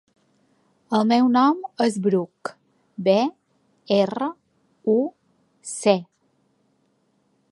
El meu nom és Bruc: be, erra, u, ce.